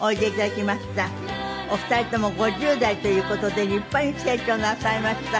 お二人とも５０代という事で立派に成長なさいました。